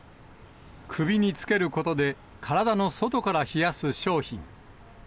首につけることで、体の外から冷やす商品。